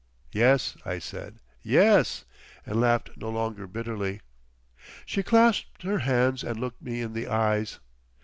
"Yes," I said, "yes," and laughed no longer bitterly. She clasped her hands and looked me in the eyes.